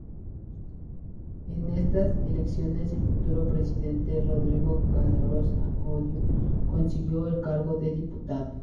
En estas elecciones el futuro presidente Rodrigo Carazo Odio consiguió el cargo de diputado.